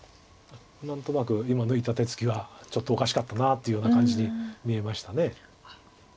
何となく今抜いた手つきはちょっとおかしかったなというような感じに見えました。